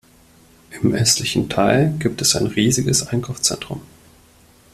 Im östlichen Teil gibt es ein riesiges Einkaufszentrum.